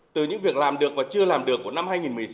từ những việc làm được và chưa làm được của năm hai nghìn một mươi sáu